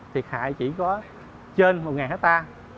thiệt hại chỉ có trên một hectare